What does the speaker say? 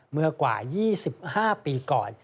เมื่อกว่า๒๕ปีก่อน